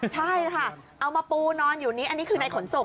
ใช่ค่ะเอามาปูนอนอยู่นี้อันนี้คือในขนส่ง